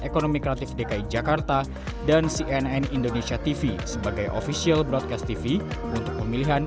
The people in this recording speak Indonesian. ekonomi kreatif dki jakarta dan cnn indonesia tv sebagai official broadcast tv untuk pemilihan